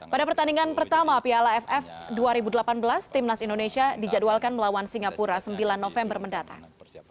pada pertandingan pertama piala ff dua ribu delapan belas timnas indonesia dijadwalkan melawan singapura sembilan november mendatang